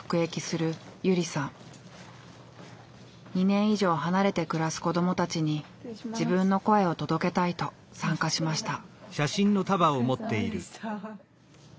２年以上離れて暮らす子どもたちに自分の声を届けたいと参加しました。